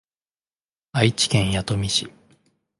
愛知県弥富市